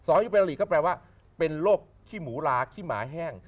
อายุเป็นลีกก็แปลว่าเป็นโรคขี้หมูลาขี้หมาแห้ง